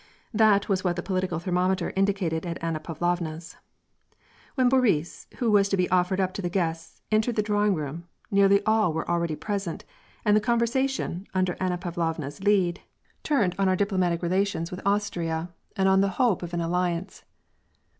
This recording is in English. " That was what the political thermometer indicated at Anna Pavlovna's. When Boris, who was to be offered up to the guests, entered the drawing room, nearly all were already present, and the conversation, under Anna Pavlovna's lead, turned on our 90 Vf^AH AND PEACE. diplomatic relations with Austria, and on the hope of an alliance.